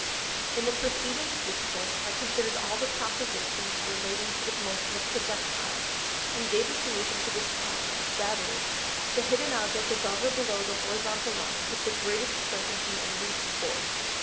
In the precedent Discourse, I considered all the Propositions relating to the Motion of Projectiles, and gave a Solution to this Problem; viz. _To hit an Object above or below the Horizontal Line with the greatest Certainty and least Force.